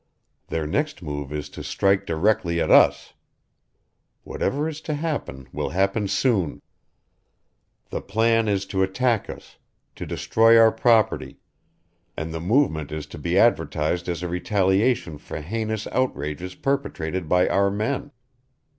Their next move is to strike directly at us. Whatever is to happen will happen soon. The plan is to attack us, to destroy our property, and the movement is to be advertised as a retaliation for heinous outrages perpetrated by our men.